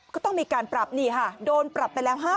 ก็ต้องมีการปรับนี่ค่ะโดนปรับไปแล้ว๕๐๐